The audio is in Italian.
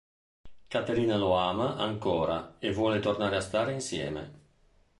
Caterina lo ama ancora e vuole tornare a stare insieme.